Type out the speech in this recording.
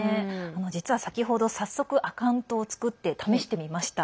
実は先ほど早速アカウントを作って試してみました。